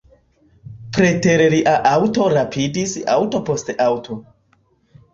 Preter lia aŭto rapidis aŭto post aŭto.